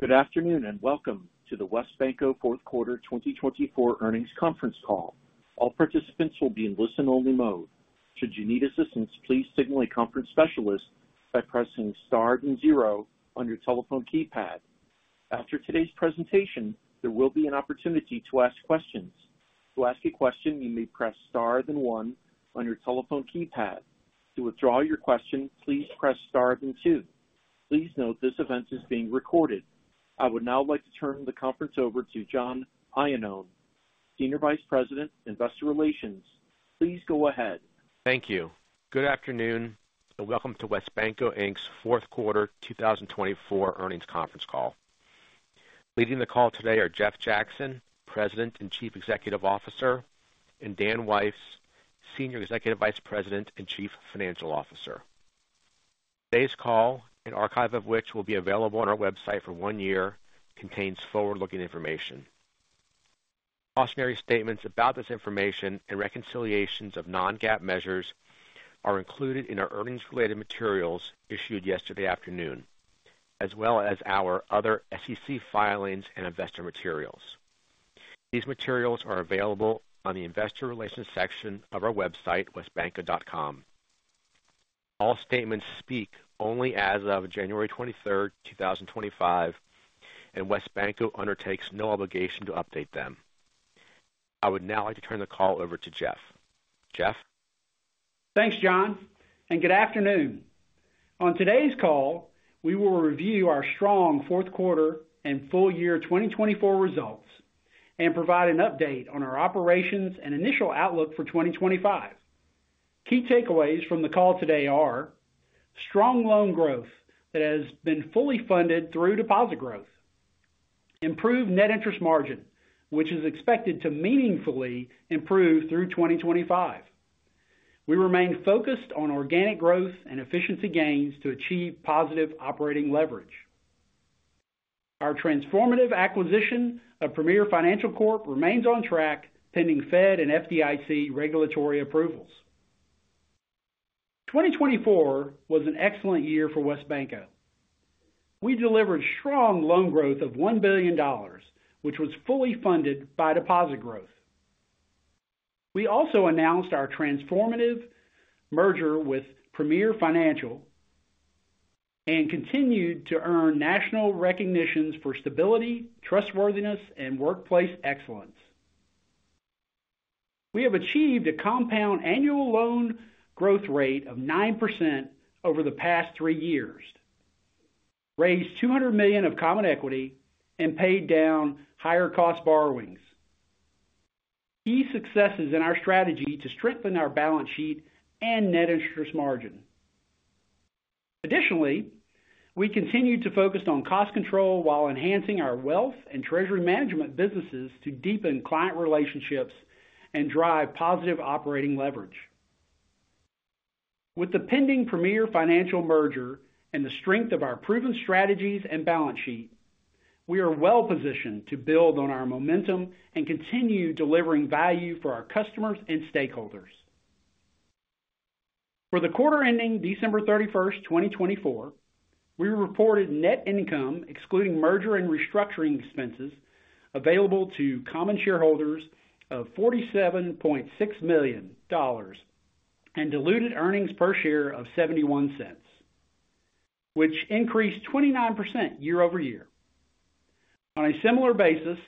Good afternoon and welcome to the WesBanco Fourth Quarter 2024 earnings conference call. All participants will be in listen-only mode. Should you need assistance, please signal a conference specialist by pressing star then zero on your telephone keypad. After today's presentation, there will be an opportunity to ask questions. To ask a question, you may press star then one on your telephone keypad. To withdraw your question, please press star then two. Please note this event is being recorded. I would now like to turn the conference over to John Iannone, Senior Vice President, Investor Relations. Please go ahead. Thank you. Good afternoon and welcome to WesBanco Inc.'s Fourth Quarter 2024 earnings conference call. Leading the call today are Jeff Jackson, President and Chief Executive Officer, and Dan Weiss, Senior Executive Vice President and Chief Financial Officer. Today's call, an archive of which will be available on our website for one year, contains forward-looking information. Cautionary statements about this information and reconciliations of non-GAAP measures are included in our earnings-related materials issued yesterday afternoon, as well as our other SEC filings and investor materials. These materials are available on the Investor Relations section of our website, wesbanco.com. All statements speak only as of January 23rd, 2025, and WesBanco undertakes no obligation to update them. I would now like to turn the call over to Jeff. Jeff? Thanks, John, and good afternoon. On today's call, we will review our strong fourth quarter and full year 2024 results and provide an update on our operations and initial outlook for 2025. Key takeaways from the call today are strong loan growth that has been fully funded through deposit growth, improved net interest margin, which is expected to meaningfully improve through 2025. We remain focused on organic growth and efficiency gains to achieve positive operating leverage. Our transformative acquisition of Premier Financial Corp remains on track, pending Fed and FDIC regulatory approvals. 2024 was an excellent year for WesBanco. We delivered strong loan growth of $1 billion, which was fully funded by deposit growth. We also announced our transformative merger with Premier Financial and continued to earn national recognitions for stability, trustworthiness, and workplace excellence. We have achieved a compound annual loan growth rate of 9% over the past three years, raised $200 million of common equity, and paid down higher-cost borrowings. Key successes in our strategy to strengthen our balance sheet and net interest margin. Additionally, we continue to focus on cost control while enhancing our wealth and treasury management businesses to deepen client relationships and drive positive operating leverage. With the pending Premier Financial merger and the strength of our proven strategies and balance sheet, we are well-positioned to build on our momentum and continue delivering value for our customers and stakeholders. For the quarter ending December 31st, 2024, we reported net income, excluding merger and restructuring expenses, available to common shareholders of $47.6 million and diluted earnings per share of $0.71, which increased 29% year-over-year. On a similar basis,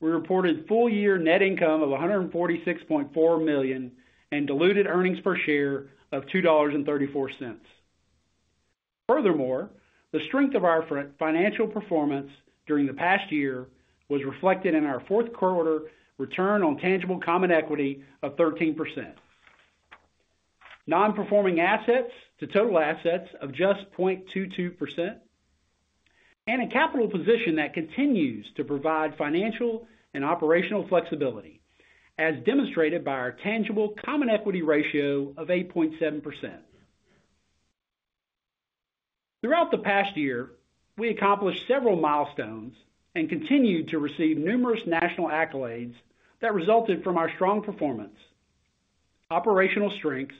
we reported full year net income of $146.4 million and diluted earnings per share of $2.34. Furthermore, the strength of our financial performance during the past year was reflected in our fourth quarter return on tangible common equity of 13%, non-performing assets to total assets of just 0.22%, and a capital position that continues to provide financial and operational flexibility, as demonstrated by our tangible common equity ratio of 8.7%. Throughout the past year, we accomplished several milestones and continued to receive numerous national accolades that resulted from our strong performance, operational strengths,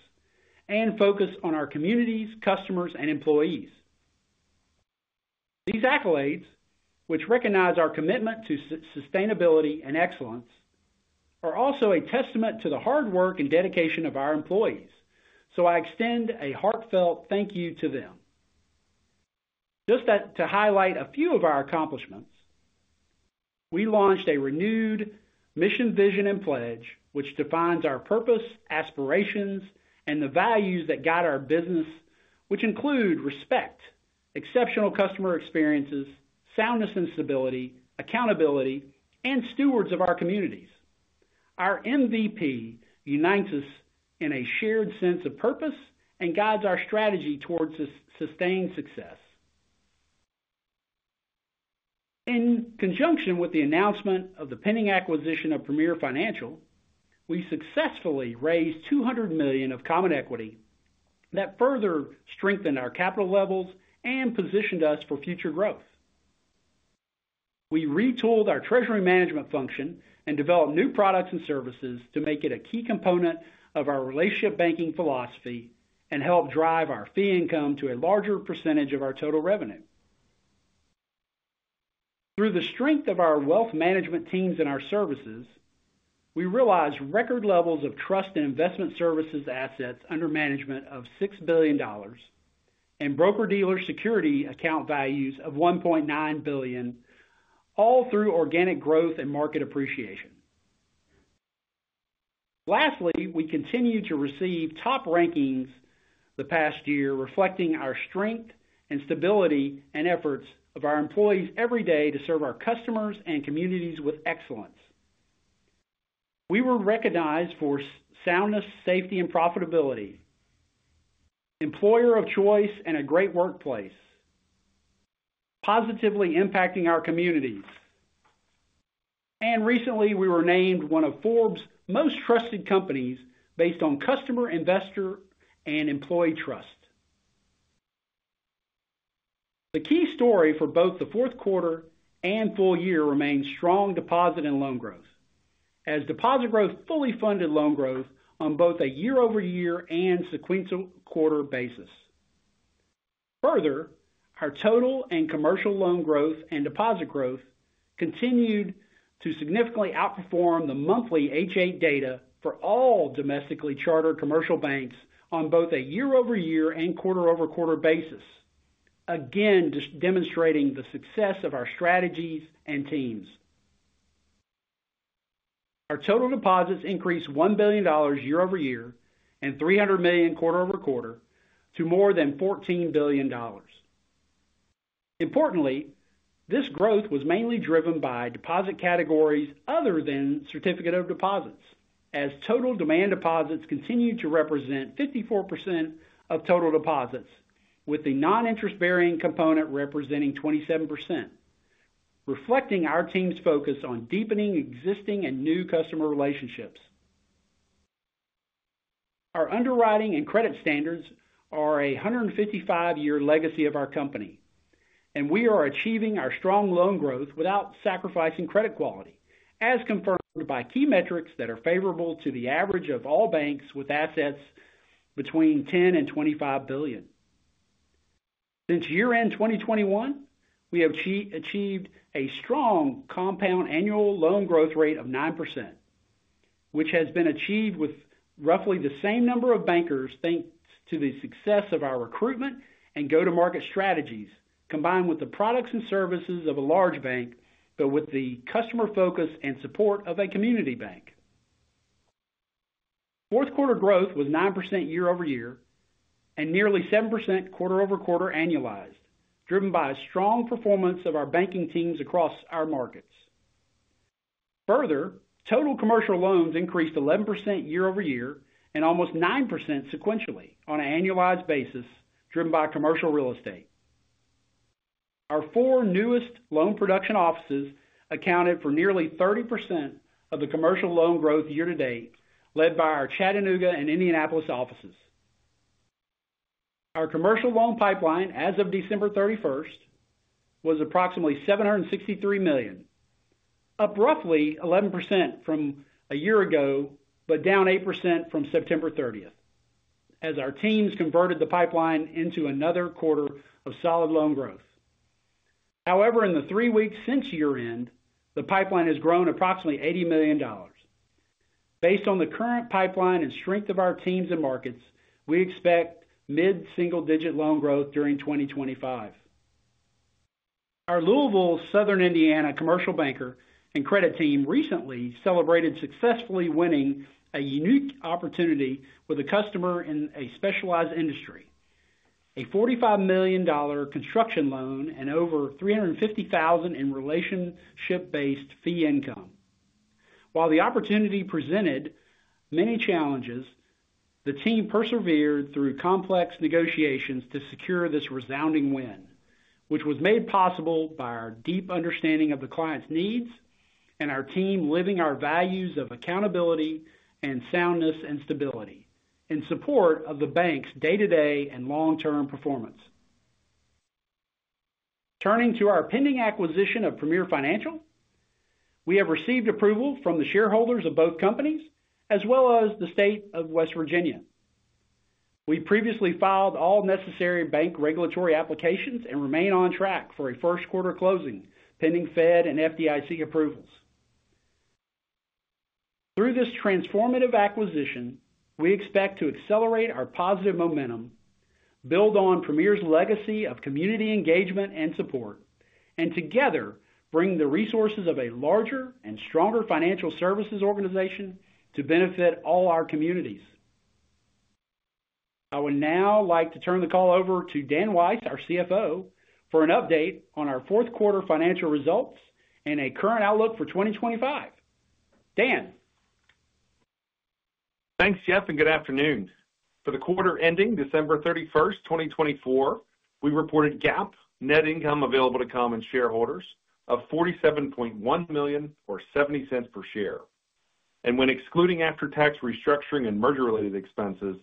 and focus on our communities, customers, and employees. These accolades, which recognize our commitment to sustainability and excellence, are also a testament to the hard work and dedication of our employees, so I extend a heartfelt thank you to them. Just to highlight a few of our accomplishments, we launched a renewed mission, vision, and pledge, which defines our purpose, aspirations, and the values that guide our business, which include respect, exceptional customer experiences, soundness and stability, accountability, and stewards of our communities. Our MVP unites us in a shared sense of purpose and guides our strategy towards sustained success. In conjunction with the announcement of the pending acquisition of Premier Financial, we successfully raised $200 million of common equity that further strengthened our capital levels and positioned us for future growth. We retooled our treasury management function and developed new products and services to make it a key component of our relationship banking philosophy and help drive our fee income to a larger percentage of our total revenue. Through the strength of our wealth management teams and our services, we realized record levels of trust and investment services assets under management of $6 billion and broker-dealer security account values of $1.9 billion, all through organic growth and market appreciation. Lastly, we continue to receive top rankings the past year, reflecting our strength and stability and efforts of our employees every day to serve our customers and communities with excellence. We were recognized for soundness, safety, and profitability, employer of choice, and a great workplace, positively impacting our communities, and recently, we were named one of Forbes' most trusted companies based on customer, investor, and employee trust. The key story for both the fourth quarter and full year remains strong deposit and loan growth, as deposit growth fully funded loan growth on both a year-over-year and sequential quarter basis. Further, our total and commercial loan growth and deposit growth continued to significantly outperform the monthly H.8 data for all domestically chartered commercial banks on both a year-over-year and quarter-over-quarter basis, again demonstrating the success of our strategies and teams. Our total deposits increased $1 billion year-over-year and $300 million quarter-over-quarter to more than $14 billion. Importantly, this growth was mainly driven by deposit categories other than certificates of deposit, as total demand deposits continued to represent 54% of total deposits, with the non-interest-bearing component representing 27%, reflecting our team's focus on deepening existing and new customer relationships. Our underwriting and credit standards are a 155-year legacy of our company, and we are achieving our strong loan growth without sacrificing credit quality, as confirmed by key metrics that are favorable to the average of all banks with assets between $10 and $25 billion. Since year-end 2021, we have achieved a strong compound annual loan growth rate of 9%, which has been achieved with roughly the same number of bankers thanks to the success of our recruitment and go-to-market strategies, combined with the products and services of a large bank, but with the customer focus and support of a community bank. Fourth quarter growth was 9% year-over-year and nearly 7% quarter-over-quarter annualized, driven by a strong performance of our banking teams across our markets. Further, total commercial loans increased 11% year-over-year and almost 9% sequentially on an annualized basis, driven by commercial real estate. Our four newest loan production offices accounted for nearly 30% of the commercial loan growth year-to-date, led by our Chattanooga and Indianapolis offices. Our commercial loan pipeline as of December 31st was approximately $763 million, up roughly 11% from a year ago, but down 8% from September 30th, as our teams converted the pipeline into another quarter of solid loan growth. However, in the three weeks since year-end, the pipeline has grown approximately $80 million. Based on the current pipeline and strength of our teams and markets, we expect mid-single-digit loan growth during 2025. Our Louisville, Southern Indiana commercial banker and credit team recently celebrated successfully winning a unique opportunity with a customer in a specialized industry: a $45 million construction loan and over $350,000 in relationship-based fee income. While the opportunity presented many challenges, the team persevered through complex negotiations to secure this resounding win, which was made possible by our deep understanding of the client's needs and our team living our values of accountability and soundness and stability in support of the bank's day-to-day and long-term performance. Turning to our pending acquisition of Premier Financial, we have received approval from the shareholders of both companies as well as the state of West Virginia. We previously filed all necessary bank regulatory applications and remain on track for a first quarter closing pending Fed and FDIC approvals. Through this transformative acquisition, we expect to accelerate our positive momentum, build on Premier's legacy of community engagement and support, and together bring the resources of a larger and stronger financial services organization to benefit all our communities. I would now like to turn the call over to Dan Weiss, our CFO, for an update on our fourth quarter financial results and a current outlook for 2025. Dan? Thanks, Jeff, and good afternoon. For the quarter ending December 31st, 2024, we reported GAAP net income available to common shareholders of $47.1 million or $0.70 per share, and when excluding after-tax restructuring and merger-related expenses,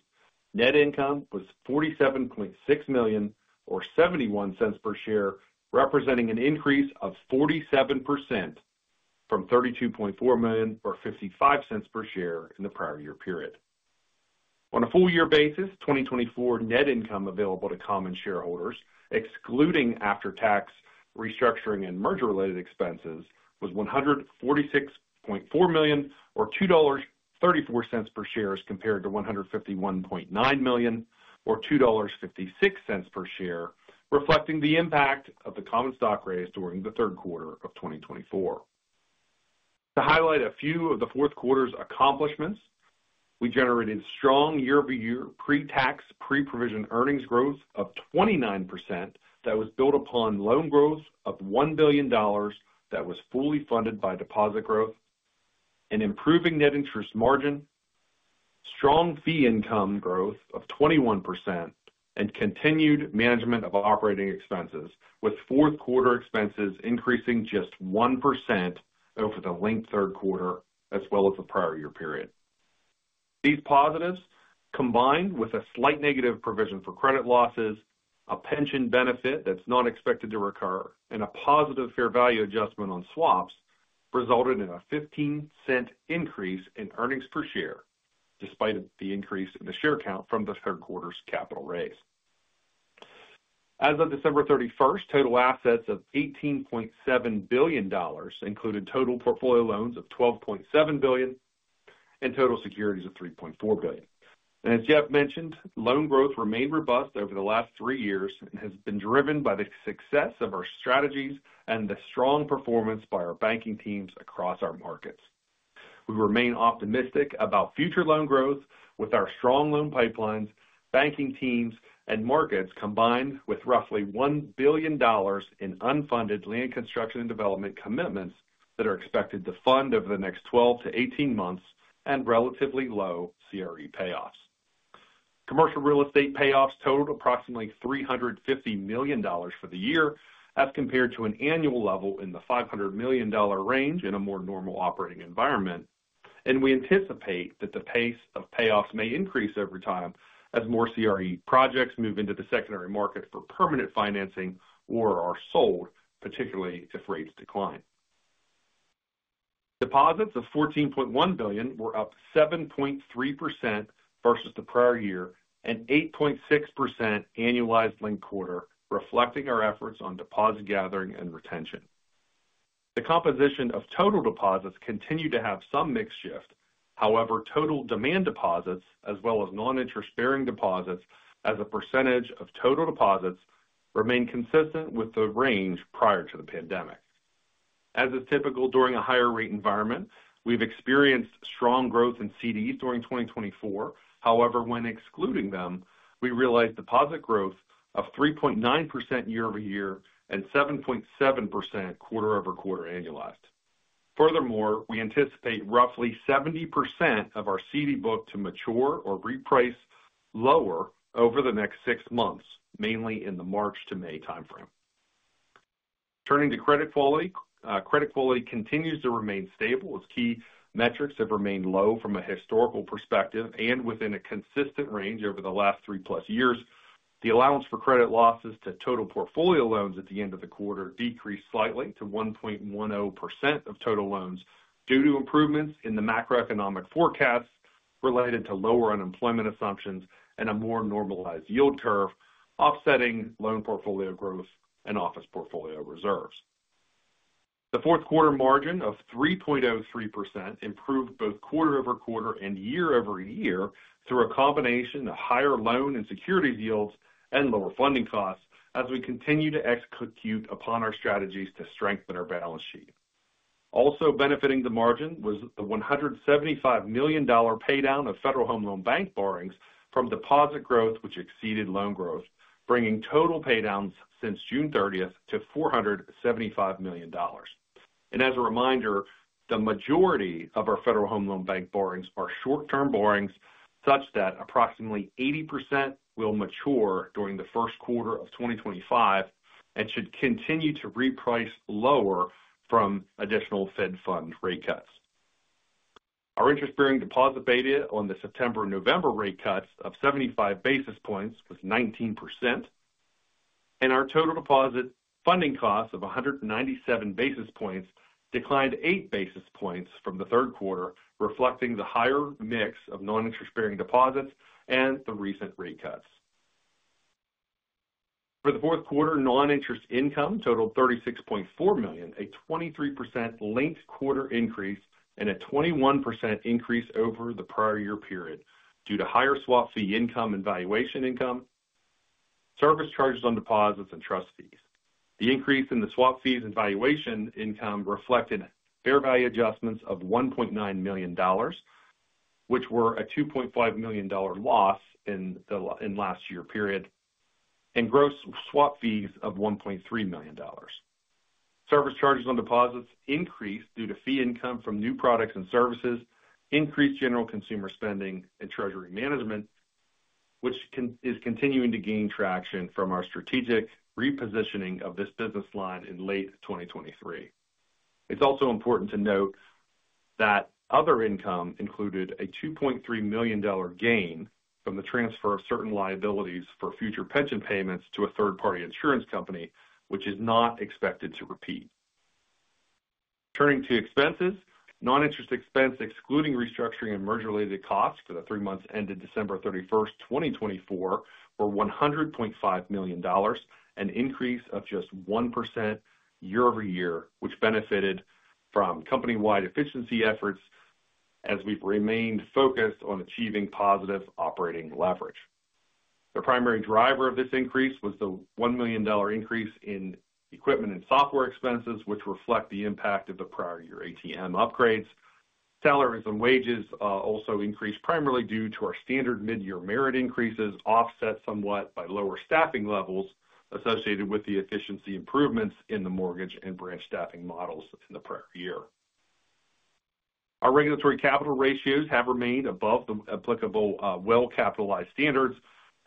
net income was $47.6 million or $0.71 per share, representing an increase of 47% from $32.4 million or $0.55 per share in the prior year period. On a full year basis, 2024 net income available to common shareholders, excluding after-tax restructuring and merger-related expenses, was $146.4 million or $2.34 per share as compared to $151.9 million or $2.56 per share, reflecting the impact of the common stock raise during the third quarter of 2024. To highlight a few of the fourth quarter's accomplishments, we generated strong year-over-year pre-tax, pre-provision earnings growth of 29% that was built upon loan growth of $1 billion that was fully funded by deposit growth, an improving net interest margin, strong fee income growth of 21%, and continued management of operating expenses, with fourth quarter expenses increasing just 1% over the linked third quarter as well as the prior year period. These positives, combined with a slight negative provision for credit losses, a pension benefit that's not expected to recur, and a positive fair value adjustment on swaps, resulted in a $0.15 increase in earnings per share, despite the increase in the share count from the third quarter's capital raise. As of December 31st, total assets of $18.7 billion included total portfolio loans of $12.7 billion and total securities of $3.4 billion. As Jeff mentioned, loan growth remained robust over the last three years and has been driven by the success of our strategies and the strong performance by our banking teams across our markets. We remain optimistic about future loan growth with our strong loan pipelines, banking teams, and markets combined with roughly $1 billion in unfunded land construction and development commitments that are expected to fund over the next 12-18 months and relatively low CRE payoffs. Commercial real estate payoffs totaled approximately $350 million for the year as compared to an annual level in the $500 million range in a more normal operating environment. We anticipate that the pace of payoffs may increase over time as more CRE projects move into the secondary market for permanent financing or are sold, particularly if rates decline. Deposits of $14.1 billion were up 7.3% versus the prior year and 8.6% annualized linked quarter, reflecting our efforts on deposit gathering and retention. The composition of total deposits continued to have some mixed shift. However, total demand deposits, as well as non-interest-bearing deposits as a percentage of total deposits, remained consistent with the range prior to the pandemic. As is typical during a higher-rate environment, we've experienced strong growth in CDs during 2024. However, when excluding them, we realized deposit growth of 3.9% year-over-year and 7.7% quarter-over-quarter annualized. Furthermore, we anticipate roughly 70% of our CD book to mature or reprice lower over the next six months, mainly in the March to May timeframe. Turning to credit quality, credit quality continues to remain stable as key metrics have remained low from a historical perspective and within a consistent range over the last three-plus years. The allowance for credit losses to total portfolio loans at the end of the quarter decreased slightly to 1.10% of total loans due to improvements in the macroeconomic forecasts related to lower unemployment assumptions and a more normalized yield curve, offsetting loan portfolio growth and office portfolio reserves. The fourth quarter margin of 3.03% improved both quarter-over-quarter and year-over-year through a combination of higher loan and securities yields and lower funding costs as we continue to execute upon our strategies to strengthen our balance sheet. Also benefiting the margin was the $175 million paydown of Federal Home Loan Bank borrowings from deposit growth, which exceeded loan growth, bringing total paydowns since June 30th to $475 million. As a reminder, the majority of our Federal Home Loan Bank borrowings are short-term borrowings such that approximately 80% will mature during the first quarter of 2025 and should continue to reprice lower from additional Fed funds rate cuts. Our interest-bearing deposit beta on the September and November rate cuts of 75 basis points was 19%. Our total deposit funding costs of 197 basis points declined 8 basis points from the third quarter, reflecting the higher mix of non-interest-bearing deposits and the recent rate cuts. For the fourth quarter, non-interest income totaled $36.4 million, a 23% linked quarter increase and a 21% increase over the prior year period due to higher swap fee income and valuation income, service charges on deposits, and trust fees. The increase in the swap fees and valuation income reflected fair value adjustments of $1.9 million, which were a $2.5 million loss in the last year period, and gross swap fees of $1.3 million. Service charges on deposits increased due to fee income from new products and services, increased general consumer spending, and treasury management, which is continuing to gain traction from our strategic repositioning of this business line in late 2023. It's also important to note that other income included a $2.3 million gain from the transfer of certain liabilities for future pension payments to a third-party insurance company, which is not expected to repeat. Turning to expenses, non-interest expense excluding restructuring and merger-related costs for the three months ended December 31st, 2024, were $100.5 million, an increase of just 1% year-over-year, which benefited from company-wide efficiency efforts as we've remained focused on achieving positive operating leverage. The primary driver of this increase was the $1 million increase in equipment and software expenses, which reflect the impact of the prior year ATM upgrades. Salaries and wages also increased primarily due to our standard mid-year merit increases, offset somewhat by lower staffing levels associated with the efficiency improvements in the mortgage and branch staffing models in the prior year. Our regulatory capital ratios have remained above the applicable well-capitalized standards,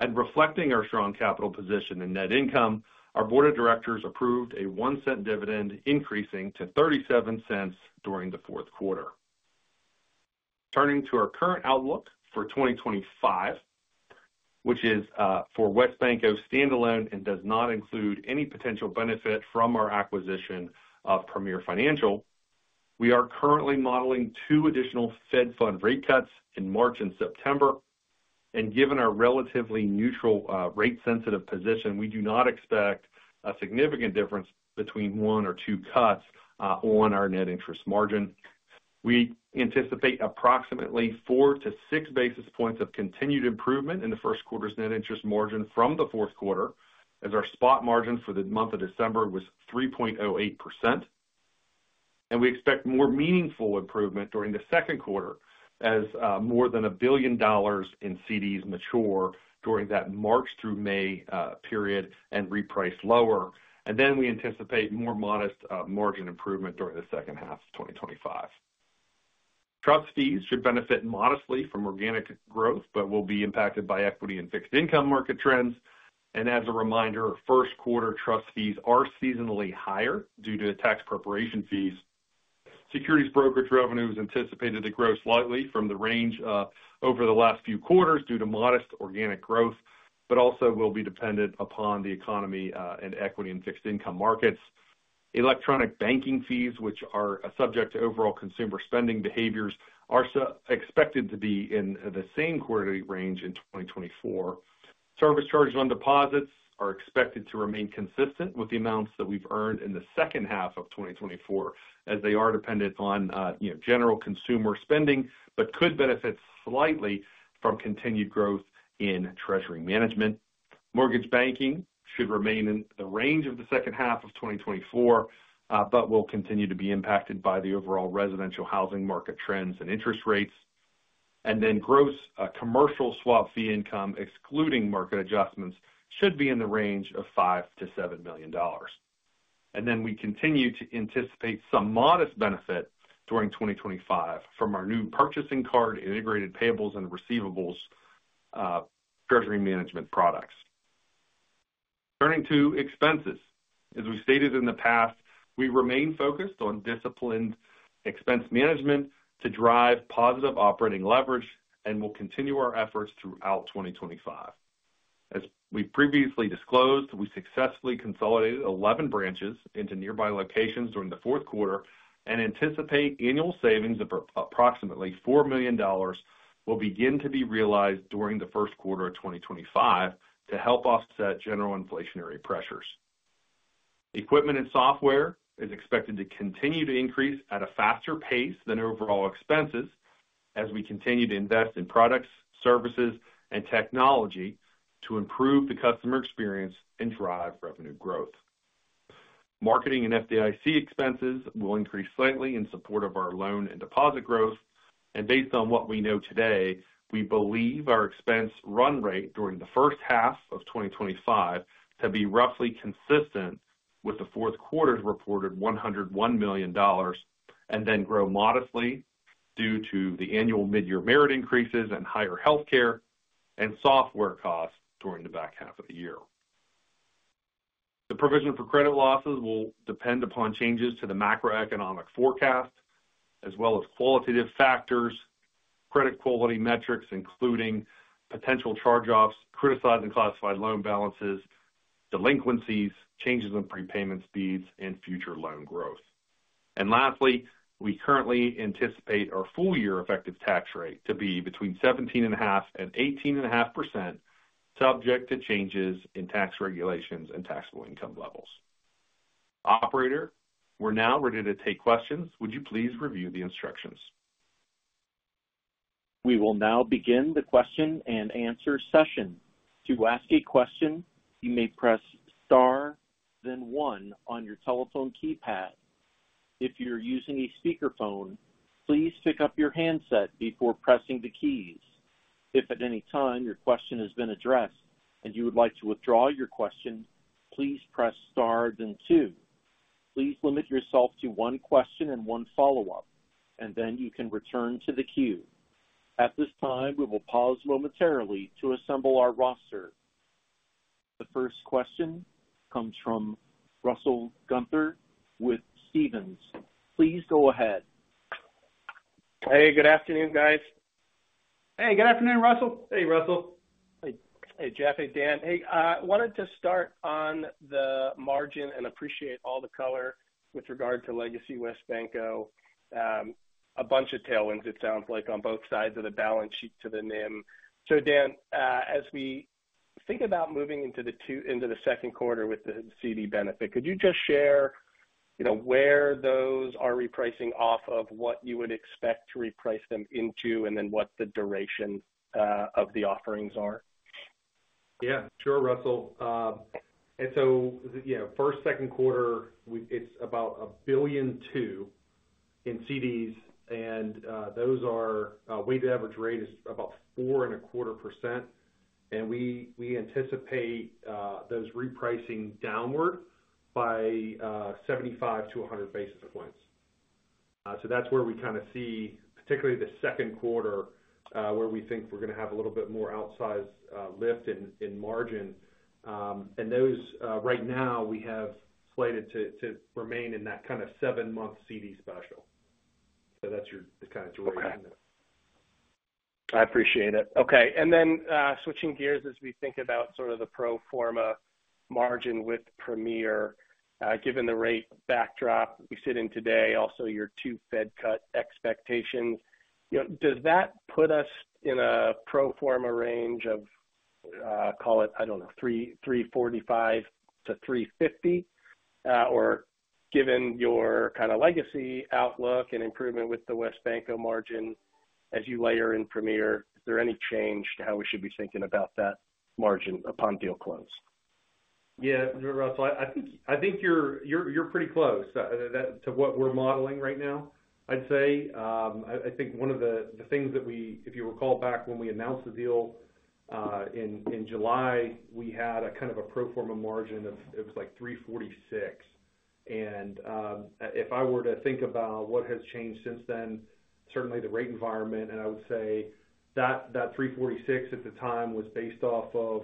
and reflecting our strong capital position and net income, our board of directors approved a $0.01 dividend, increasing to $0.37 during the fourth quarter. Turning to our current outlook for 2025, which is for WesBanco standalone and does not include any potential benefit from our acquisition of Premier Financial, we are currently modeling two additional Fed funds rate cuts in March and September. Given our relatively neutral rate-sensitive position, we do not expect a significant difference between one or two cuts on our net interest margin. We anticipate approximately four to six basis points of continued improvement in the first quarter's net interest margin from the fourth quarter, as our spot margin for the month of December was 3.08%. We expect more meaningful improvement during the second quarter, as more than $1 billion in CDs mature during that March through May period and reprice lower. Then we anticipate more modest margin improvement during the second half of 2025. Trust fees should benefit modestly from organic growth, but will be impacted by equity and fixed income market trends. As a reminder, first quarter trust fees are seasonally higher due to tax preparation fees. Securities brokerage revenues anticipated to grow slightly from the range over the last few quarters due to modest organic growth, but also will be dependent upon the economy and equity and fixed income markets. Electronic banking fees, which are subject to overall consumer spending behaviors, are expected to be in the same quarterly range in 2024. Service charges on deposits are expected to remain consistent with the amounts that we've earned in the second half of 2024, as they are dependent on general consumer spending, but could benefit slightly from continued growth in treasury management. Mortgage banking should remain in the range of the second half of 2024, but will continue to be impacted by the overall residential housing market trends and interest rates. And then gross commercial swap fee income, excluding market adjustments, should be in the range of $5-$7 million. And then we continue to anticipate some modest benefit during 2025 from our new purchasing card, integrated payables and receivables, treasury management products. Turning to expenses, as we stated in the past, we remain focused on disciplined expense management to drive positive Operating Leverage and will continue our efforts throughout 2025. As we previously disclosed, we successfully consolidated 11 branches into nearby locations during the fourth quarter and anticipate annual savings of approximately $4 million will begin to be realized during the first quarter of 2025 to help offset general inflationary pressures. Equipment and software is expected to continue to increase at a faster pace than overall expenses as we continue to invest in products, services, and technology to improve the customer experience and drive revenue growth. Marketing and FDIC expenses will increase slightly in support of our loan and deposit growth. Based on what we know today, we believe our expense run rate during the first half of 2025 to be roughly consistent with the fourth quarter's reported $101 million and then grow modestly due to the annual mid-year merit increases and higher healthcare and software costs during the back half of the year. The provision for credit losses will depend upon changes to the macroeconomic forecast, as well as qualitative factors, credit quality metrics, including potential charge-offs, criticized and classified loan balances, delinquencies, changes in prepayment speeds, and future loan growth. And lastly, we currently anticipate our full year effective tax rate to be between 17.5% and 18.5%, subject to changes in tax regulations and taxable income levels. Operator, we're now ready to take questions. Would you please review the instructions? We will now begin the question and answer session. To ask a question, you may press star, then one on your telephone keypad. If you're using a speakerphone, please pick up your handset before pressing the keys. If at any time your question has been addressed and you would like to withdraw your question, please press star, then two. Please limit yourself to one question and one follow-up, and then you can return to the queue. At this time, we will pause momentarily to assemble our roster. The first question comes from Russell Gunther with Stephens. Please go ahead. Hey, good afternoon, guys. Hey, good afternoon, Russell. Hey, Russell. Hey, Jeff, hey, Dan. Hey, I wanted to start on the margin and appreciate all the color with regard to Legacy WesBanco. A bunch of tailwinds, it sounds like, on both sides of the balance sheet to the NIM. So, Dan, as we think about moving into the second quarter with the CD benefit, could you just share where those are repricing off of what you would expect to reprice them into and then what the duration of the offerings are? Yeah, sure, Russell. And so first, second quarter, it's about $1 billion in CDs, and those are weighted average rate is about 4.25%. And we anticipate those repricing downward by 75-100 basis points. So that's where we kind of see, particularly the second quarter, where we think we're going to have a little bit more outsized lift in margin. And those right now, we have slated to remain in that kind of seven-month CD special. So that's your kind of duration. I appreciate it. Okay. And then switching gears as we think about sort of the pro forma margin with Premier. Given the rate backdrop we sit in today, also your two Fed cut expectations, does that put us in a pro forma range of, call it, I don't know, 345-350? Or given your kind of legacy outlook and improvement with the WesBanco margin as you layer in Premier, is there any change to how we should be thinking about that margin upon deal close? Yeah, Russell, I think you're pretty close to what we're modeling right now, I'd say. I think one of the things that we, if you recall back when we announced the deal in July, we had a kind of a pro forma margin of it was like 346. And if I were to think about what has changed since then, certainly the rate environment, and I would say that 346 at the time was based off of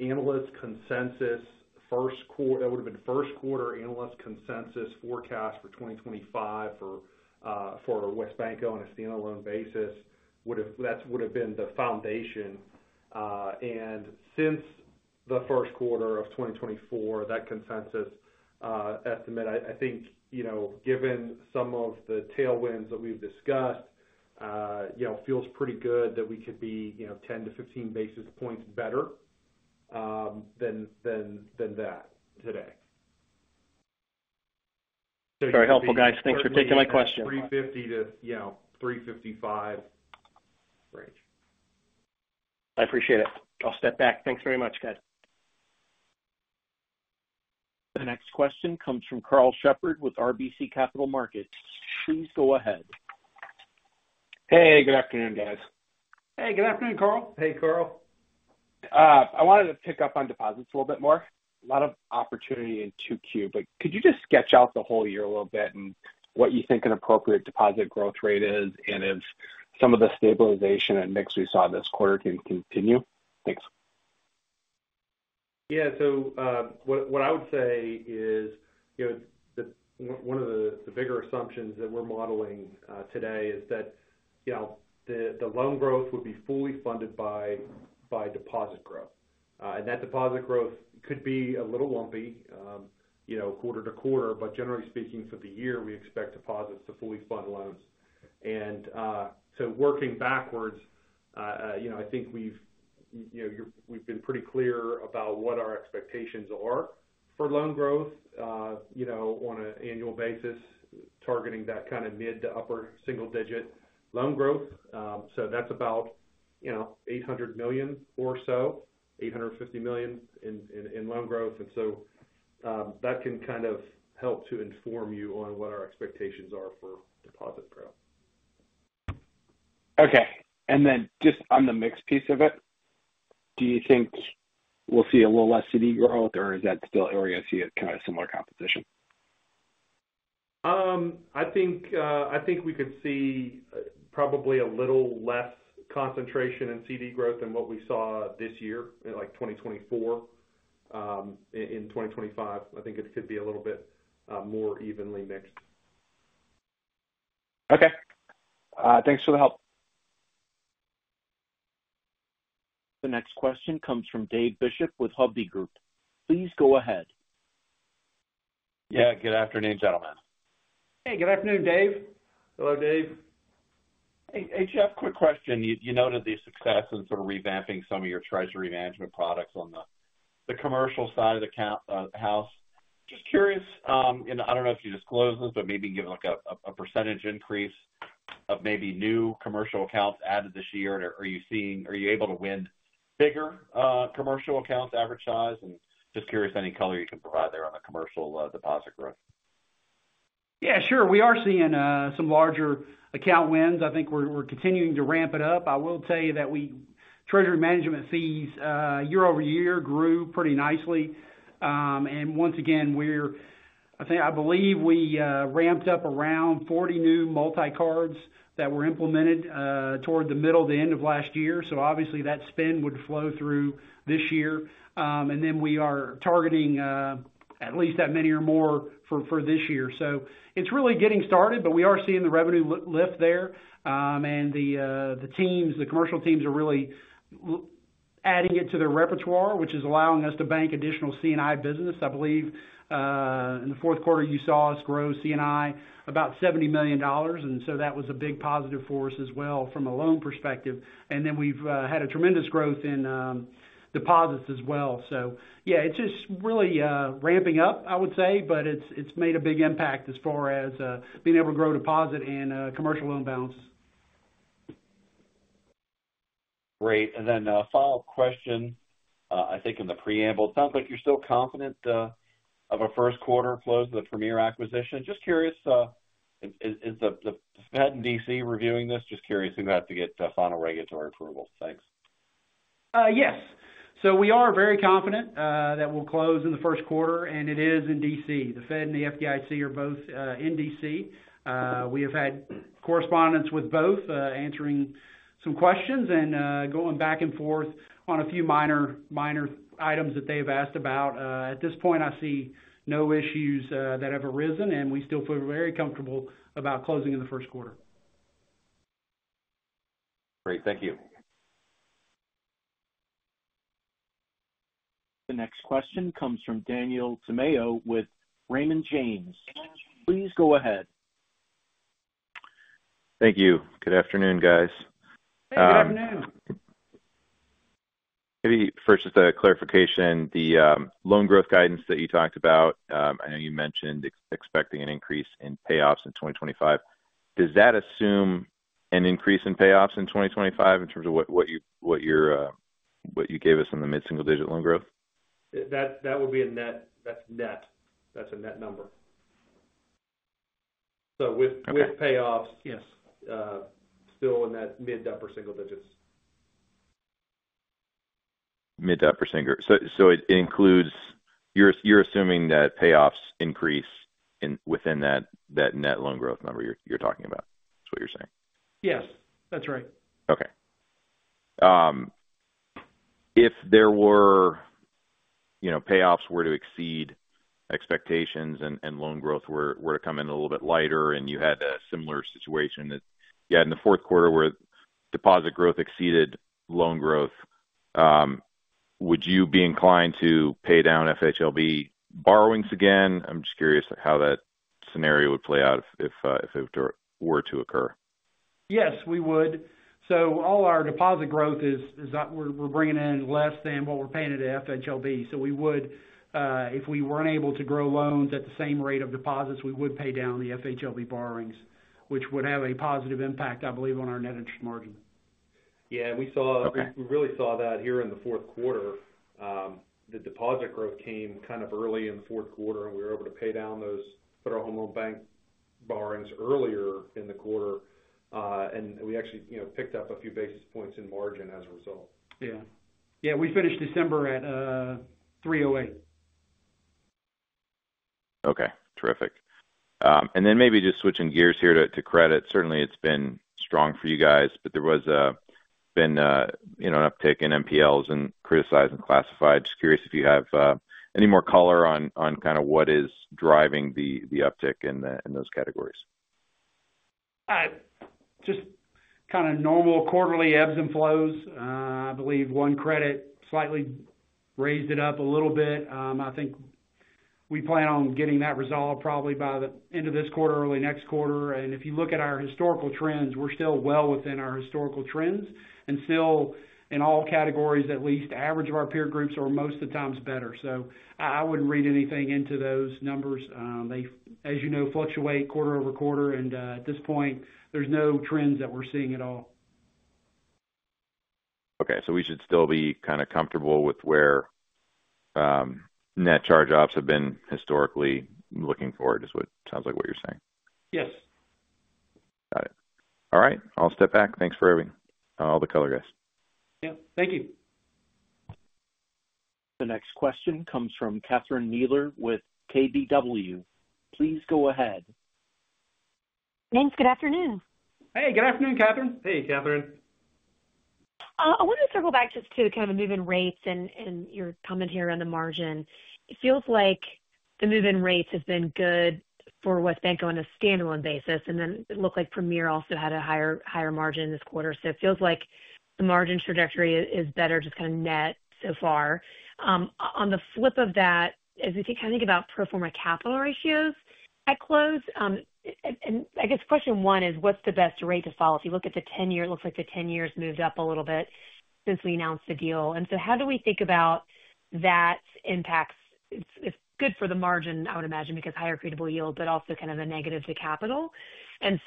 analyst consensus first quarter. That would have been first quarter analyst consensus forecast for 2025 for WesBanco on a standalone basis. That would have been the foundation. And since the first quarter of 2024, that consensus estimate, I think given some of the tailwinds that we've discussed, feels pretty good that we could be 10-15 basis points better than that today. Very helpful, guys. Thanks for taking my question. 350-355 range. I appreciate it. I'll step back. Thanks very much, guys. The next question comes from Karl Shepard with RBC Capital Markets. Please go ahead. Hey, good afternoon, guys. Hey, good afternoon, Carl. Hey, Carl. I wanted to pick up on deposits a little bit more. A lot of opportunity in Q2, but could you just sketch out the whole year a little bit and what you think an appropriate deposit growth rate is and if some of the stabilization and mix we saw this quarter can continue? Thanks. Yeah. So what I would say is one of the bigger assumptions that we're modeling today is that the loan growth would be fully funded by deposit growth. And that deposit growth could be a little lumpy quarter-to-quarter, but generally speaking, for the year, we expect deposits to fully fund loans. And so working backwards, I think we've been pretty clear about what our expectations are for loan growth on an annual basis, targeting that kind of mid to upper single-digit loan growth. So that's about $800 million or so, $850 million in loan growth. And so that can kind of help to inform you on what our expectations are for deposit growth. Okay. And then just on the mix piece of it, do you think we'll see a little less CD growth, or is that still where you see kind of a similar composition? I think we could see probably a little less concentration in CD growth than what we saw this year in 2024. In 2025, I think it could be a little bit more evenly mixed. Okay. Thanks for the help. The next question comes from Dave Bishop with Hovde Group. Please go ahead. Yeah. Good afternoon, gentlemen. Hey, good afternoon, Dave. Hello, Dave. Hey, Jeff, quick question. You noted the success in sort of revamping some of your treasury management products on the commercial side of the house. Just curious, and I don't know if you disclosed this, but maybe give a percentage increase of maybe new commercial accounts added this year. Are you able to win bigger commercial accounts average size? And just curious any color you can provide there on the commercial deposit growth. Yeah, sure. We are seeing some larger account wins. I think we're continuing to ramp it up. I will tell you that treasury management fees year-over-year grew pretty nicely. And once again, I believe we ramped up around 40 new multi-cards that were implemented toward the middle to end of last year. So obviously, that spend would flow through this year. And then we are targeting at least that many or more for this year. So it's really getting started, but we are seeing the revenue lift there. And the teams, the commercial teams are really adding it to their repertoire, which is allowing us to bank additional C&I business. I believe in the fourth quarter, you saw us grow C&I about $70 million. And so that was a big positive for us as well from a loan perspective. And then we've had a tremendous growth in deposits as well. So yeah, it's just really ramping up, I would say, but it's made a big impact as far as being able to grow deposit and commercial loan balances. Great. And then a follow-up question, I think in the preamble, it sounds like you're still confident of a first quarter close of the Premier acquisition. Just curious, is the Fed in DC reviewing this? Just curious who has to get final regulatory approval. Thanks. Yes. So we are very confident that we'll close in the first quarter, and it is in DC. The Fed and the FDIC are both in DC. We have had correspondence with both answering some questions and going back and forth on a few minor items that they've asked about. At this point, I see no issues that have arisen, and we still feel very comfortable about closing in the first quarter. Great. Thank you. The next question comes from Daniel Tamayo with Raymond James. Please go ahead. Thank you. Good afternoon, guys. Hey, good afternoon. Maybe first, just a clarification. The loan growth guidance that you talked about, I know you mentioned expecting an increase in payoffs in 2025. Does that assume an increase in payoffs in 2025 in terms of what you gave us on the mid-single-digit loan growth? That would be a net. That's net. That's a net number. So with payoffs, yes, still in that mid-upper single digits. Mid-upper single. So it includes you're assuming that payoffs increase within that net loan growth number you're talking about, is what you're saying? Yes, that's right. Okay. If payoffs were to exceed expectations and loan growth were to come in a little bit lighter and you had a similar situation that you had in the fourth quarter where deposit growth exceeded loan growth, would you be inclined to pay down FHLB borrowings again? I'm just curious how that scenario would play out if it were to occur. Yes, we would. So all our deposit growth is we're bringing in less than what we're paying into FHLB. So if we weren't able to grow loans at the same rate of deposits, we would pay down the FHLB borrowings, which would have a positive impact, I believe, on our net interest margin. Yeah. We really saw that here in the fourth quarter. The deposit growth came kind of early in the fourth quarter, and we were able to pay down those Federal Home Loan Bank borrowings earlier in the quarter. And we actually picked up a few basis points in margin as a result. Yeah. Yeah. We finished December at 308. Okay. Terrific. And then maybe just switching gears here to credit. Certainly, it's been strong for you guys, but there has been an uptick in NPLs and criticized and classified. Just curious if you have any more color on kind of what is driving the uptick in those categories. Just kind of normal quarterly ebbs and flows. I believe one credit slightly raised it up a little bit. I think we plan on getting that resolved probably by the end of this quarter, early next quarter. And if you look at our historical trends, we're still well within our historical trends. And still, in all categories, at least, the average of our peer groups are most of the times better. So I wouldn't read anything into those numbers. They, as you know, fluctuate quarter-over-quarter. And at this point, there's no trends that we're seeing at all. Okay. So we should still be kind of comfortable with where net charge-offs have been historically looking forward, is what sounds like what you're saying. Yes. Got it. All right. I'll step back. Thanks for all the color, guys. Yeah. Thank you. The next question comes from Catherine Mealor with KBW. Please go ahead. Thanks. Good afternoon. Hey. Good afternoon, Catherine. Hey, Catherine. I wanted to circle back just to kind of the move-in rates and your comment here on the margin. It feels like the move-in rates have been good for WesBanco on a standalone basis. And then it looked like Premier also had a higher margin this quarter. So it feels like the margin trajectory is better, just kind of net so far. On the flip of that, as we kind of think about pro forma capital ratios at close, and I guess question one is, what's the best rate to follow? If you look at the 10-year, it looks like the 10-year has moved up a little bit since we announced the deal. And so how do we think about that impacts? It's good for the margin, I would imagine, because higher accretable yield, but also kind of a negative to capital.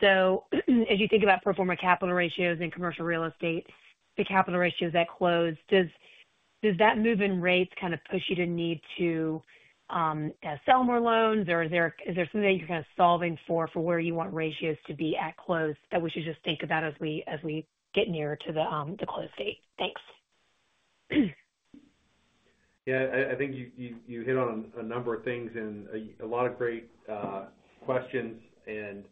So as you think about pro forma capital ratios and commercial real estate, the capital ratios at close, does that migration rate kind of push you to need to sell more loans? Or is there something that you're kind of solving for where you want ratios to be at close that we should just think about as we get nearer to the close date? Thanks. Yeah. I think you hit on a number of things and a lot of great questions and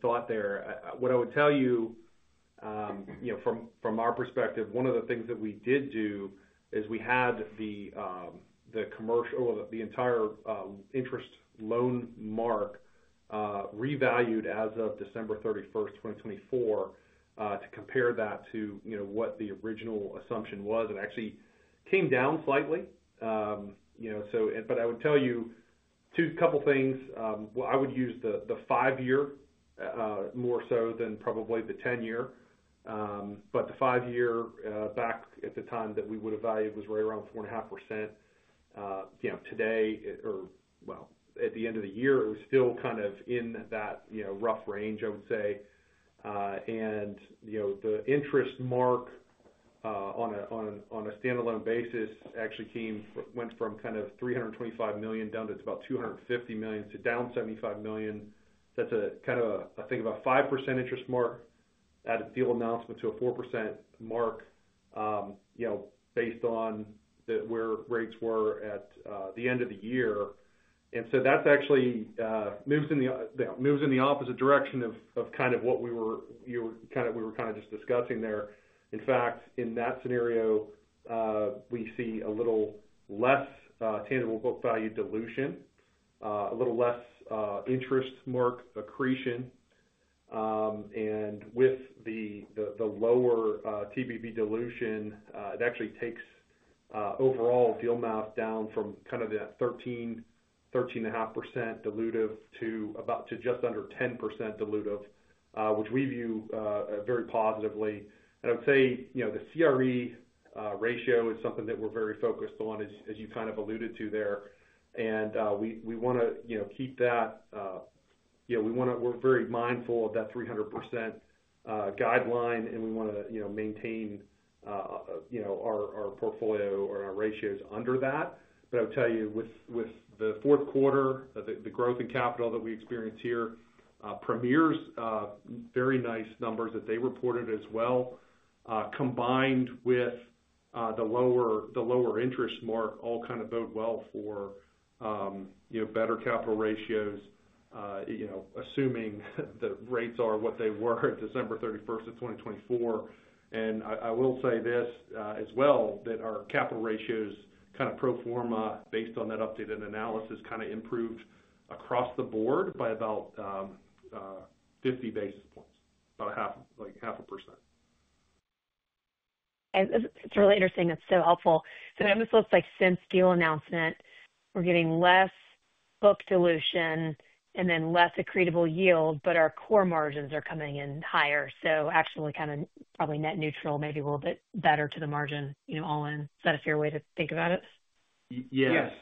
thought there. What I would tell you from our perspective, one of the things that we did do is we had the entire acquired loan mark revalued as of December 31st, 2024, to compare that to what the original assumption was. It actually came down slightly. But I would tell you a couple of things. I would use the five-year more so than probably the 10-year. But the five-year back at the time that we would have valued was right around 4.5%. Today, or well, at the end of the year, it was still kind of in that rough range, I would say. And the interest margin on a standalone basis actually went from kind of $325 million down to about $250 million, down $75 million. That's kind of, I think, about a 5% interest margin at a deal announcement to a 4% margin based on where rates were at the end of the year. And so that actually moves in the opposite direction of kind of what we were kind of just discussing there. In fact, in that scenario, we see a little less tangible book value dilution, a little less interest margin accretion. And with the lower TBV dilution, it actually takes overall deal amount down from kind of that 13.5% dilutive to just under 10% dilutive, which we view very positively. And I would say the CRE ratio is something that we're very focused on, as you kind of alluded to there. And we want to keep that. We're very mindful of that 300% guideline, and we want to maintain our portfolio or our ratios under that. But I would tell you, with the fourth quarter, the growth in capital that we experienced here Premier's very nice numbers that they reported as well. Combined with the lower interest mark, all kind of bode well for better capital ratios, assuming the rates are what they were at December 31st of 2024. I will say this as well, that our capital ratios kind of pro forma, based on that updated analysis, kind of improved across the board by about 50 basis points, about 0.5%. It's really interesting. That's so helpful. It almost looks like since deal announcement, we're getting less book dilution and then less accretable yield, but our core margins are coming in higher. Actually kind of probably net neutral, maybe a little bit better to the margin all in. Is that a fair way to think about it? Yes.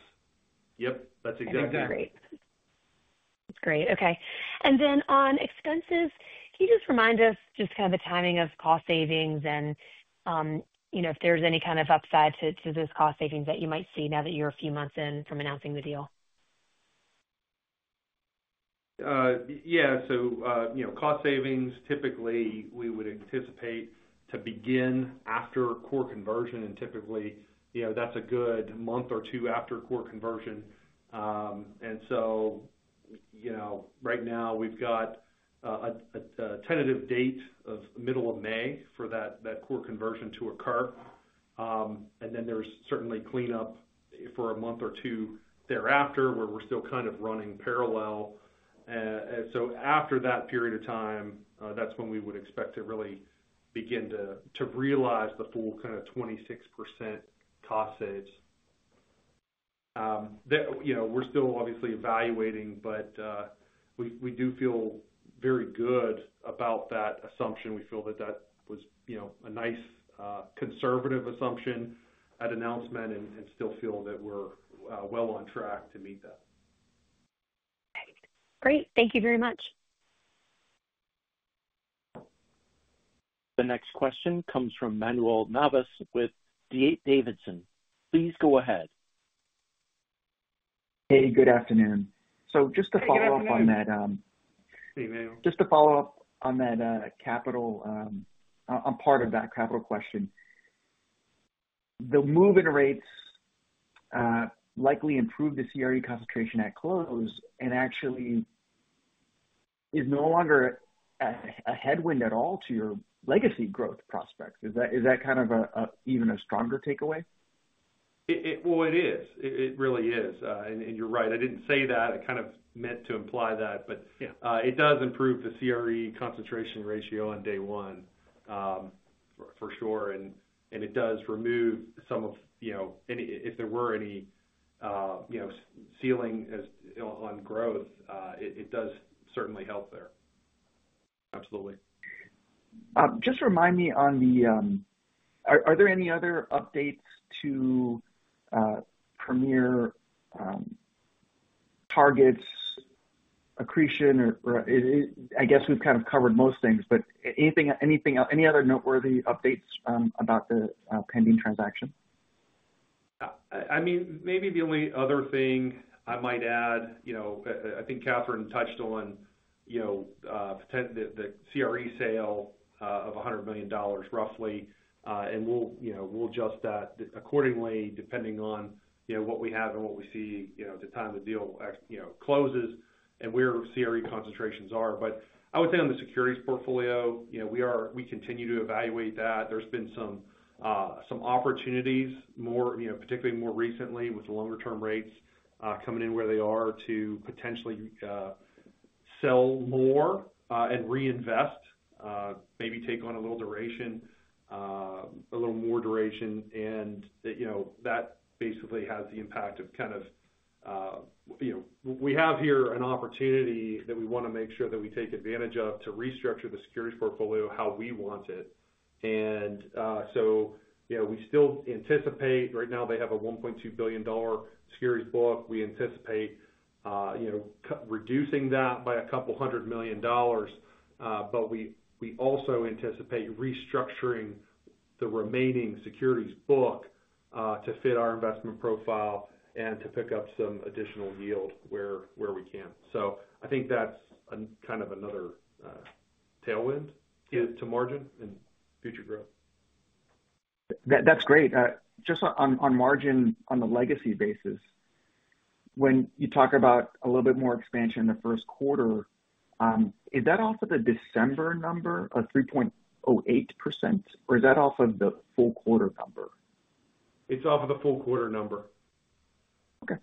Yep. That's exactly right. That's great. Okay. Then on expenses, can you just remind us just kind of the timing of cost savings and if there's any kind of upside to those cost savings that you might see now that you're a few months in from announcing the deal? Yeah. So, cost savings, typically, we would anticipate to begin after core conversion. And typically, that's a good month or two after core conversion. And so right now, we've got a tentative date of middle of May for that core conversion to occur. And then there's certainly cleanup for a month or two thereafter where we're still kind of running parallel. So after that period of time, that's when we would expect to really begin to realize the full kind of 26% cost saves. We're still obviously evaluating, but we do feel very good about that assumption. We feel that that was a nice conservative assumption at announcement and still feel that we're well on track to meet that. Great. Thank you very much. The next question comes from Manuel Navas with D.A. Davidson. Please go ahead. Hey, good afternoon. So just to follow up on that. Hey, Daniel. Just to follow up on that capital, on part of that capital question. The move-in rates likely improve the CRE concentration at close and actually is no longer a headwind at all to your legacy growth prospects. Is that kind of even a stronger takeaway? It is. It really is. And you're right. I didn't say that. I kind of meant to imply that. But it does improve the CRE concentration ratio on day one, for sure. And it does remove some of if there were any ceiling on growth, it does certainly help there. Absolutely. Just remind me on the; are there any other updates to Premier targets accretion? I guess we've kind of covered most things, but any other noteworthy updates about the pending transaction? I mean, maybe the only other thing I might add. I think Catherine touched on the CRE sale of $100 million, roughly. And we'll adjust that accordingly, depending on what we have and what we see at the time the deal closes and where CRE concentrations are. But I would say on the securities portfolio, we continue to evaluate that. There's been some opportunities, particularly more recently with the longer-term rates coming in where they are to potentially sell more and reinvest, maybe take on a little duration, a little more duration. And that basically has the impact of kind of we have here an opportunity that we want to make sure that we take advantage of to restructure the securities portfolio how we want it. And so we still anticipate right now they have a $1.2 billion securities book. We anticipate reducing that by a couple hundred million dollars. But we also anticipate restructuring the remaining securities book to fit our investment profile and to pick up some additional yield where we can. So I think that's kind of another tailwind to margin and future growth. That's great. Just on margin on the legacy basis, when you talk about a little bit more expansion in the first quarter, is that off of the December number of 3.08%? Or is that off of the full quarter number? It's off of the full quarter number. Okay.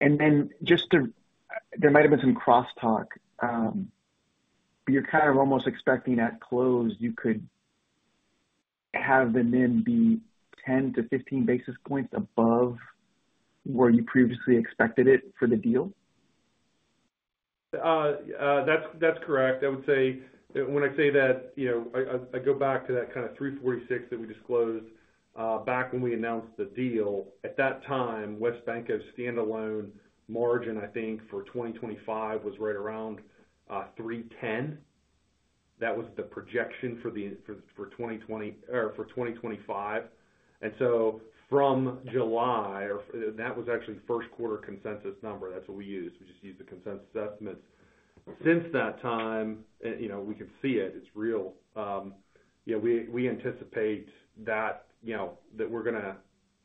And then just to there might have been some crosstalk. You're kind of almost expecting at close you could have the NIM be 10-15 basis points above where you previously expected it for the deal? That's correct. I would say when I say that, I go back to that kind of 346 that we disclosed back when we announced the deal. At that time, WesBanco's standalone margin, I think, for 2025 was right around 310. That was the projection for 2025. And so from July, that was actually first quarter consensus number. That's what we used. We just used the consensus estimates. Since that time, we can see it. It's real. We anticipate that we're going to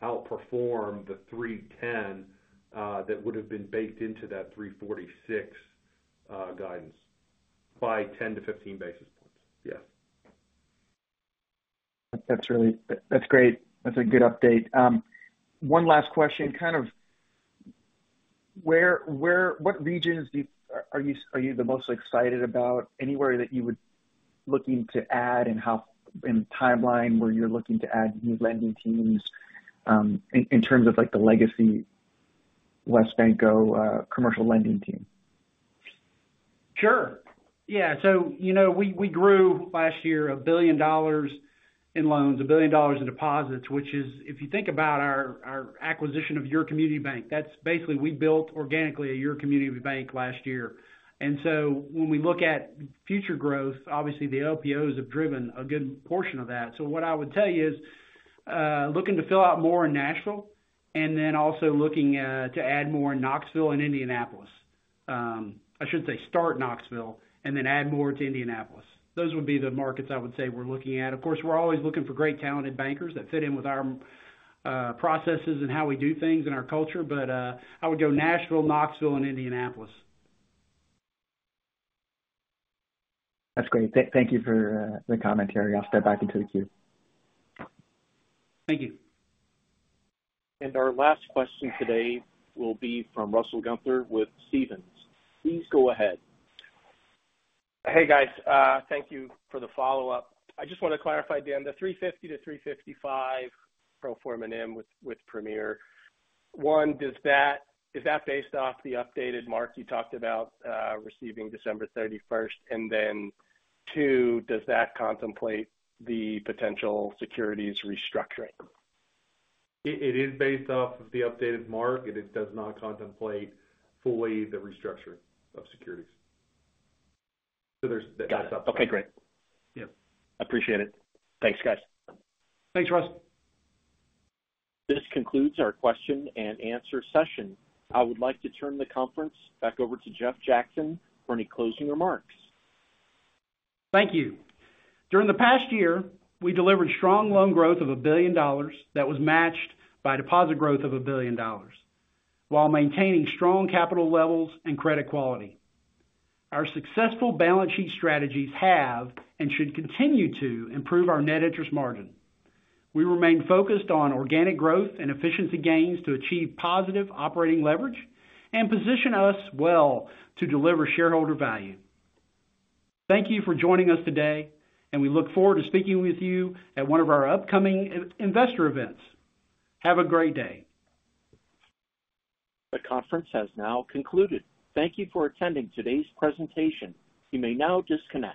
outperform the 310 that would have been baked into that 346 guidance by 10-15 basis points. Yes. That's great. That's a good update. One last question. Kind of what regions are you the most excited about? Anywhere that you would looking to add and timeline where you're looking to add new lending teams in terms of the legacy WesBanco commercial lending team? Sure. Yeah. We grew last year $1 billion in loans, $1 billion in deposits, which is, if you think about our acquisition of Your Community Bank, that's basically we built organically a Your Community Bank last year. When we look at future growth, obviously, the LPOs have driven a good portion of that. What I would tell you is looking to fill out more in Nashville and then also looking to add more in Knoxville and Indianapolis. I should say start Knoxville and then add more to Indianapolis. Those would be the markets I would say we're looking at. Of course, we're always looking for great talented bankers that fit in with our processes and how we do things in our culture. I would go Nashville, Knoxville, and Indianapolis. That's great. Thank you for the commentary. I'll step back into the queue. Thank you. Our last question today will be from Russell Gunther with Stephens. Please go ahead. Hey, guys. Thank you for the follow-up. I just want to clarify, Dan, the 350-355 pro forma NIM with Premier. One, is that based off the updated mark you talked about receiving December 31st? And then two, does that contemplate the potential securities restructuring? It is based off of the updated mark. It does not contemplate fully the restructuring of securities. So that's up there. Okay. Great. Yep. I appreciate it. Thanks, guys. Thanks, Russ. This concludes our question and answer session. I would like to turn the conference back over to Jeff Jackson for any closing remarks. Thank you. During the past year, we delivered strong loan growth of $1 billion that was matched by deposit growth of $1 billion while maintaining strong capital levels and credit quality. Our successful balance sheet strategies have and should continue to improve our net interest margin. We remain focused on organic growth and efficiency gains to achieve positive operating leverage and position us well to deliver shareholder value. Thank you for joining us today, and we look forward to speaking with you at one of our upcoming investor events. Have a great day. The conference has now concluded. Thank you for attending today's presentation. You may now disconnect.